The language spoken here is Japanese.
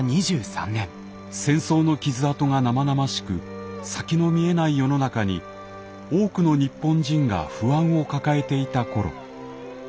戦争の傷痕が生々しく先の見えない世の中に多くの日本人が不安を抱えていた頃。